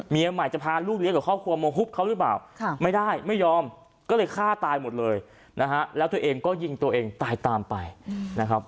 เมียใหม่จะพาลูกเลี้ยงกับครอบครัวมาฮุบเขาหรือเปล่าไม่ได้ไม่ยอมก็เลยฆ่าตายหมดเลยนะฮะแล้วตัวเองก็ยิงตัวเองตายตามไปนะครับ